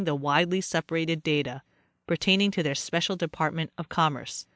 e widely separated data pertaining to their special department of compierce.